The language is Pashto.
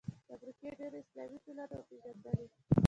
د امریکې ډېرو اسلامي ټولنو وپېژندلې.